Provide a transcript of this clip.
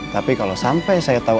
tapi kalau sampai saya tahu